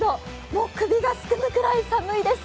もう首がすくむくらい寒いです。